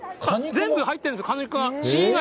全部入ってるんですよ、果肉が。